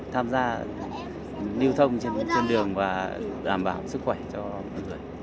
tham gia lưu thông trên đường và đảm bảo sức khỏe cho mọi người